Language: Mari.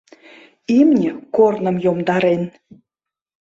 Имне корным йомдарен.